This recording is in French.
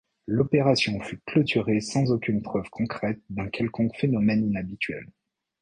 L'opération fut clôturée sans aucune preuve concrète d'un quelconque phénomène inhabituel.